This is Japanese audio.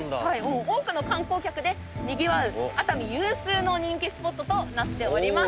多くの観光客でにぎわう熱海有数の人気スポットとなっております。